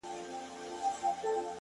کله مسجد کي گډ يم کله درمسال ته گډ يم-